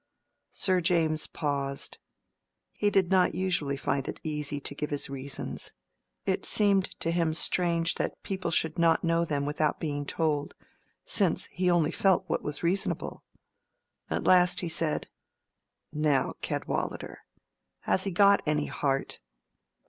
Sir James paused. He did not usually find it easy to give his reasons: it seemed to him strange that people should not know them without being told, since he only felt what was reasonable. At last he said— "Now, Cadwallader, has he got any heart?"